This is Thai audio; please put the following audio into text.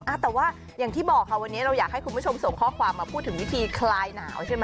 แต่ว่าอย่างที่บอกค่ะวันนี้เราอยากให้คุณผู้ชมส่งข้อความมาพูดถึงวิธีคลายหนาวใช่ไหม